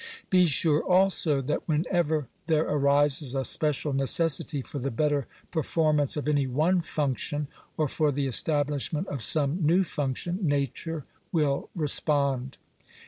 Be sure, also, that whenever there arises a special necessity for the better performance of any one function, or for the establish ment of some new function, nature will respond.